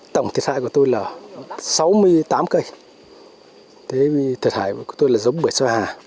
tổng thiệt hại của tôi là sáu mươi tám cây thiệt hại của tôi là giống bưởi sơ hà